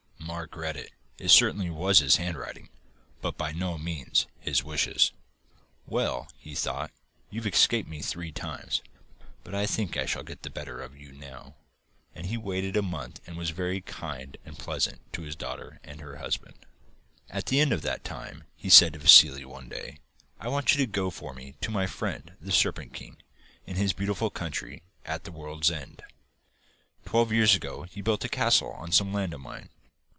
Mark read it. It certainly was his handwriting, but by no means his wishes. 'Well,' thought he, 'you've escaped me three times, but I think I shall get the better of you now.' And he waited a month and was very kind and pleasant to his daughter and her husband. At the end of that time he said to Vassili one day, 'I want you to go for me to my friend the Serpent King, in his beautiful country at the world's end. Twelve years ago he built a castle on some land of mine.